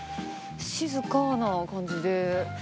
静かな感じで。